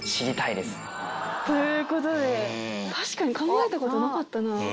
確かに考えたことなかったな。